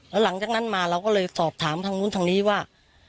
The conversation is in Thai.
แล้วหลังจากนั้นมาเราก็เลยสอบถามทางนู้นทางนี้ว่า